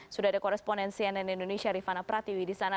sudah ada koresponensi yang di indonesia rifana pratiwi disana